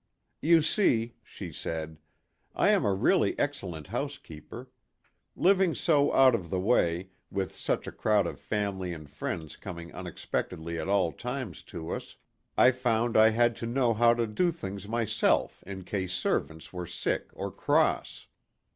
" You see," she said, " I am a really excellent housekeeper. Living so out of the way, with such a crowd of family and friends coming un expectedly at all times to us, I found I had to know how to do things myself in case servants were sick or cross.